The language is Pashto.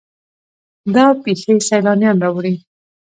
دا پیښې سیلانیان راوړي.